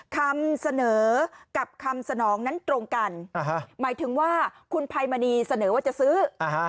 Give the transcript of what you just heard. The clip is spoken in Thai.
คำเสนอกับคำสนองนั้นตรงกันหมายถึงว่าคุณภัยมณีเสนอว่าจะซื้อ